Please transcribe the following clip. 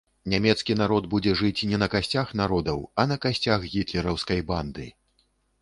Нямецкі народ будзе жыць не на касцях народаў, а на касцях гітлераўскай банды.